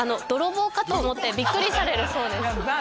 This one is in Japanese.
泥棒かと思ってびっくりされるそうです